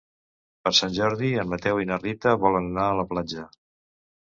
Per Sant Jordi en Mateu i na Rita volen anar a la platja.